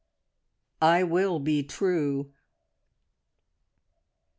"I WILL BE TRUE."